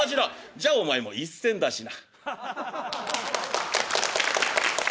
「じゃお前も１銭出しな」。